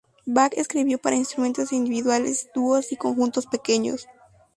Bach escribió para instrumentos individuales, dúos y conjuntos pequeños.